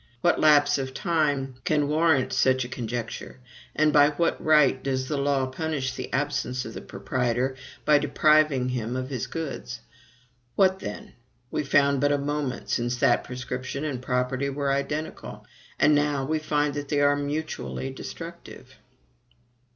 What lapse of time can warrant such a conjecture; and by what right does the law punish the absence of the proprietor by depriving him of his goods? What then! we found but a moment since that prescription and property were identical; and now we find that they are mutually destructive!